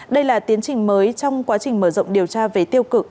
đây là tiến trình mới trong quá trình mở rộng điều tra về tiêu cực